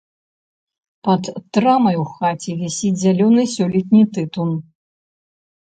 Пад трамай у хаце вісіць зялёны сёлетні тытун.